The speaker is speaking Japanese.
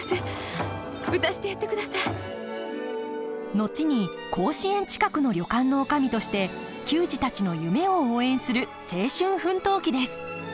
後に甲子園近くの旅館の女将として球児たちの夢を応援する青春奮闘記です。